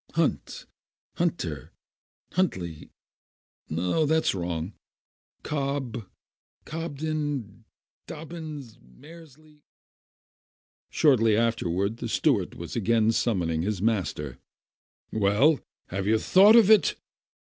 "Hunt— Hunter— Huntley. No, that's wrong! Cobb — Cobden — Dobbins — Maresly " Shortly afterward, the steward was again sum moned by his master. "Well, have you thought of it?"